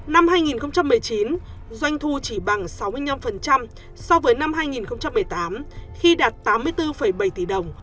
năm hai nghìn một mươi chín doanh thu chỉ bằng sáu mươi năm so với năm hai nghìn một mươi tám khi đạt tám mươi bốn bảy tỷ đồng